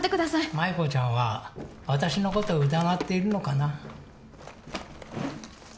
舞子ちゃんは私のことを疑っているのかな？